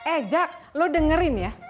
eh jak lo dengerin ya